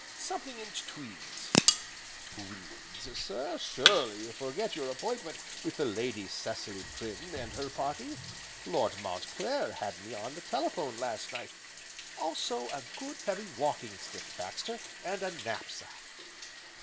"Something in tweeds." "Tweeds, sir! surely you forget your appointment with the Lady Cecily Prynne, and her party? Lord Mountclair had me on the telephone, last night " "Also a good, heavy walking stick, Baxter, and a knap sack."